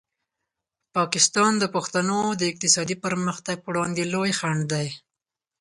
پاکستان د پښتنو د اقتصادي پرمختګ په وړاندې لوی خنډ دی.